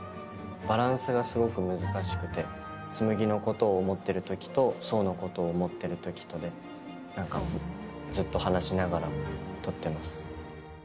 バランスがすごく難しくて紬のことを思ってるときと想のことを思ってるときとで何かずっと話しながら撮ってます。